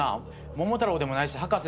桃太郎でもないし葉加瀬